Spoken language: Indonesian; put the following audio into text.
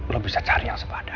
lo bisa cari yang lebih baik